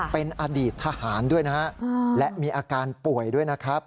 เป็นอดีตทหารด้วยนะฮะและมีอาการป่วยด้วยนะครับ